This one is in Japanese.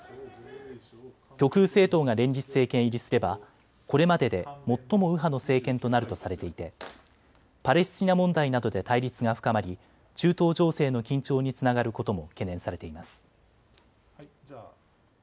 極右政党が連立政権入りすればこれまでで最も右派の政権となるとされていてパレスチナ問題などで対立が深まり中東情勢の緊張につながることも懸念されています。